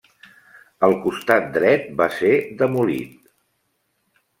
El costat dret va ser demolit.